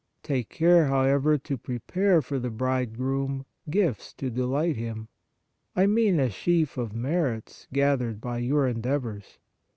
Take care, however, to pre pare for the Bridegroom gifts to delight Him, I mean a sheaf of merits gathered by your endeavours.